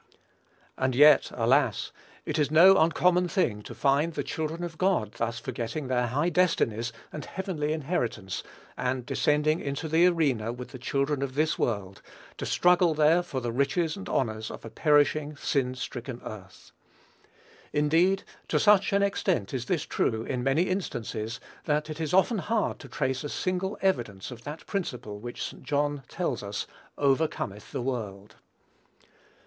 And yet, alas! it is no uncommon thing to find the children of God thus forgetting their high destinies and heavenly inheritance, and descending into the arena with the children of this world, to struggle there for the riches and honors of a perishing, sin stricken earth. Indeed, to such an extent is this true, in many instances, that it is often hard to trace a single evidence of that principle which St. John tells us "overcometh the world."